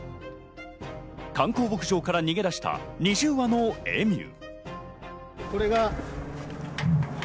観光牧場から逃げ出した２０羽のエミュー。